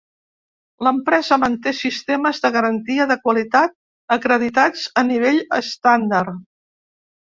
L'empresa manté sistemes de garantia de qualitat acreditats a nivell estàndard.